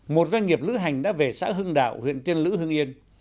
một doanh nghiệp lữ hành đã về xã hưng đạo huyện tiên lữ hưng yên